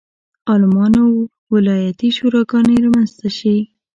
عالمانو ولایتي شوراګانې رامنځته شي.